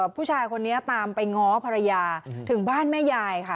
ผู้ชายคนนี้ตามไปง้อภรรยาถึงบ้านแม่ยายค่ะ